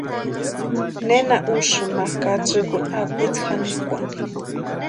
¿Nena úsïni ma katsïkuni akwitsï janikwani?